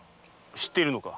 知っているのか。